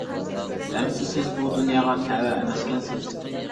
-ئەمىسە سىز بۇ دۇنياغا تەۋە ئەمەسكەنسىز.